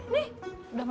nih udah mati